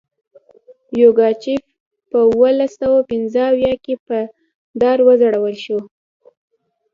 یوګاچف په اوولس سوه پنځه اویا کې په دار وځړول شو.